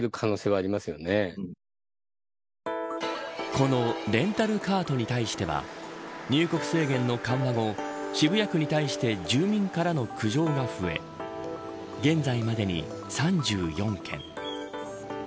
このレンタルカートに対しては入国制限の緩和後渋谷区に対して住民からの苦情が増え現在までに３４件。